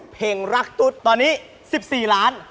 เพลงรักตุ๊ดตอนนี้๑๔ล้าน